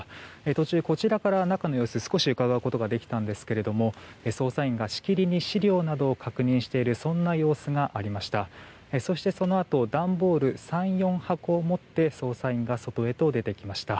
途中、こちらから中の様子を少しうかがうことができたんですけど捜査員がしきりに資料などを確認しているそんな様子がありました。